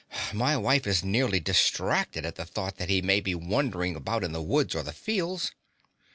"My wife is nearly distracted at the thought that he may be wandering about in the woods or the fields."